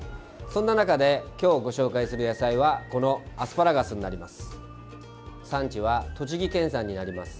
そんな中で今日ご紹介する野菜はアスパラガスになります。